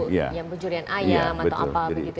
yang pencurian ayam atau apa begitu ya